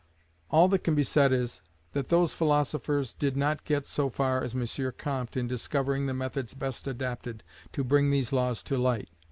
All that can be said is, that those philosophers did not get so far as M. Comte in discovering the methods best adapted to bring these laws to light.